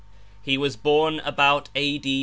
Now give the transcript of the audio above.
He was born about A.D.